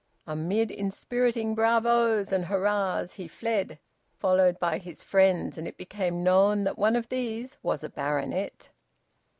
Amid inspiriting bravos and hurrahs he fled, followed by his friends, and it became known that one of these was a baronet.